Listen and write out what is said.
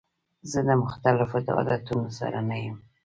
زه د مختلفو عادتونو سره نه یم.